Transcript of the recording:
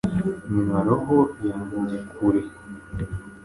nywa roho yanjye kure.